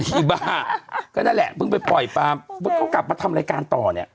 อีบ้าก็นั่นแหละเพิ่งไปปล่อยปลาปุ๊บเขากลับมาทำรายการต่อเนี่ย